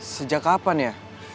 sejak kapan ya